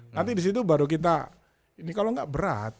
nanti di situ baru kita ini kalau nggak berat